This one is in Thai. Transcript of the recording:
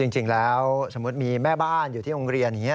จริงแล้วสมมุติมีแม่บ้านอยู่ที่โรงเรียนอย่างนี้